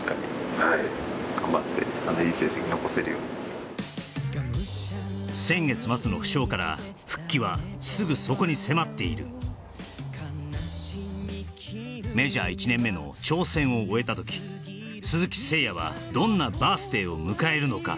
まあ何とかその先月末の負傷から復帰はすぐそこに迫っているメジャー１年目の挑戦を終えた時鈴木誠也はどんなバース・デイを迎えるのか